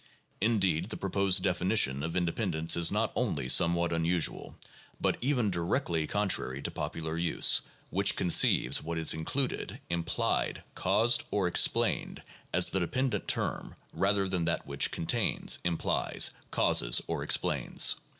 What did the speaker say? Indeed, the proposed definition of independence is not only somewhat unusual, but even directly contrary to popular use which conceives what is included, implied, caused, or explained as the de pendent term rather than that which contains, implies, causes, or ex plains (p.